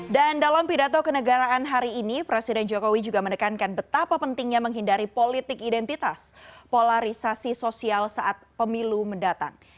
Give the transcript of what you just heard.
dan dalam pidato kenegaraan hari ini presiden jokowi juga menekankan betapa pentingnya menghindari politik identitas polarisasi sosial saat pemilu mendatang